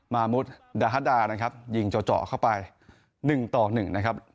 มามุดดาฮาดานะครับยิงเจาะเจาะเข้าไปหนึ่งต่อหนึ่งนะครับ